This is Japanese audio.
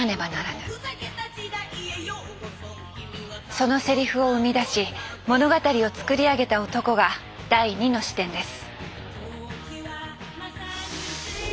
そのセリフを生み出し物語を作り上げた男が第２の視点です。